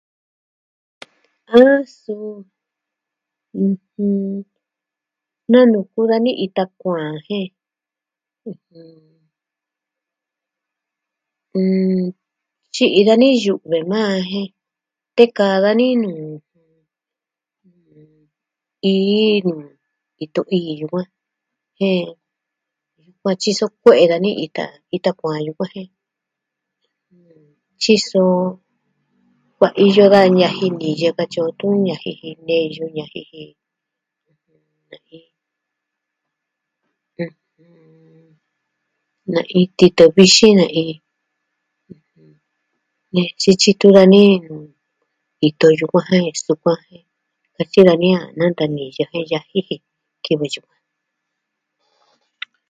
A suu... ɨjɨn, nee nee kuu dani ita kuaan je... ɨjɨn... mm... tyi'i dani yu've maa jen, tekaa dani nuu... ii nuu ito ii yukuan. Jen... kuaa tyiso kue'e da ni'i kaa ito kuaan yukuan jen... tyiso... kuaiyo da ñaji niyɨ katyi o tuun ñaji ji neyu ɨjɨn... na'in titɨ vixin na'in... ɨjɨn... nee xityitu dani itu yukuan jen sukuan jen... katyi dani a nanta niyɨ jen yaji ji kivɨ yukuan.